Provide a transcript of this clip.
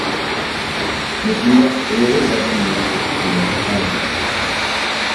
مۇشۇنداق ئېغىر بەدەن بىلەن ئۇچۇشمۇ تەس.